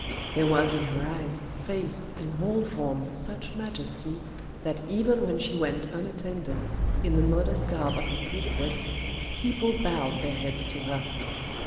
There was in her eyes, face, and whole form such majesty that even when she went unattended, in the modest garb of a priestess, people bowed their heads to her.